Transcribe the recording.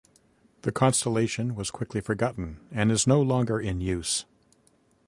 The constellation was quickly forgotten and is no longer in use.